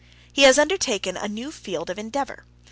He has undertaken a new field of endeavor.